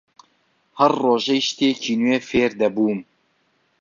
هەر ڕۆژەی شتێکی نوێ فێر دەبووم